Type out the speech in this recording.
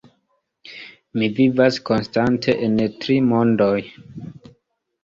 Mi vivas konstante en tri mondoj.